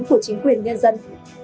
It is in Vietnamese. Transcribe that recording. của chính quyền nhân dân